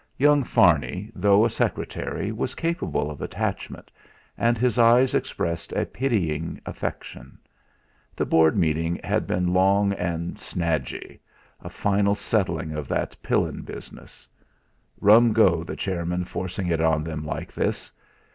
Young Farney, though a secretary, was capable of attachment; and his eyes expressed a pitying affection. The Board meeting had been long and "snadgy" a final settling of that Pillin business. Rum go the chairman forcing it on them like this!